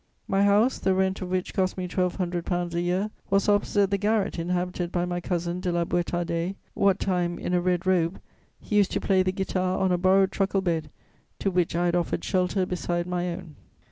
My house, the rent of which cost me twelve hundred pounds a year, was opposite the garret inhabited by my cousin de La Boüétardais what time, in a red robe, he used to play the guitar on a borrowed truckle bed to which I had offered shelter beside my own.